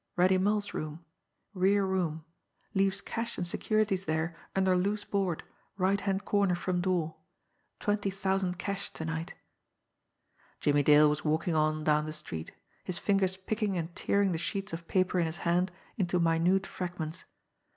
Reddy Mull's room ... rear room ... leaves cash and securities there under loose board, right hand corner from door ... twenty thousand cash to night...." Jimmie Dale was walking on down the street, his fingers picking and tearing the sheets of paper in his hand into minute fragments.